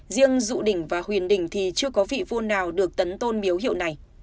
riêng dụ đỉnh và huyền đỉnh thì chưa có vị vua nào được tấn tôn miếu hiệu này